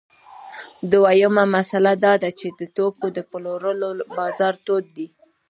دویمه مسئله دا ده چې د توکو د پلورلو بازار تود دی